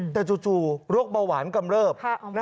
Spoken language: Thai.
แต่จู่โรคเบาหวานกำเริบ